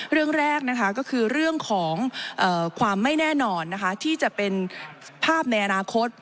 เรื่องแรกนะคะก็คือเรื่องของความไม่แน่นอนที่จะเป็นภาพในอนาคต